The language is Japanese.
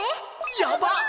やばっ！